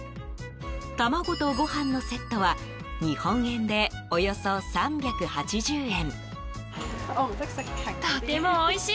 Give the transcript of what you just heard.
卵とご飯のセットは日本円で、およそ３８０円。